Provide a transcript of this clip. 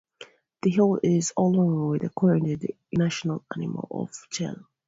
The huemul is, along with the condor, the national animal of Chile.